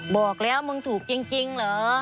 บอกแล้วมึงถูกจริงเหรอ